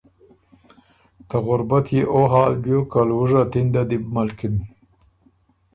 ته غربت يې او حال بیوک که لوُژه تِنده دی بو ملکِن